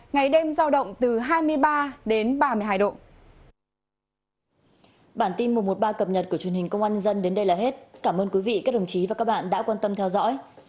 ngày đêm giao động từ hai mươi ba đến ba mươi hai độ